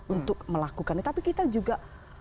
untuk melakukannya tapi kita juga